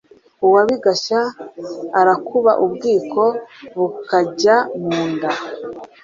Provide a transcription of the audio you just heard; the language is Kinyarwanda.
Uwa Bigashya arakuba ubwiko bukabajya mu nda.